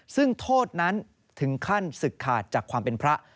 ซึ่งโทษนั้นถึงขั้นศึกขาดจากความเป็นพระ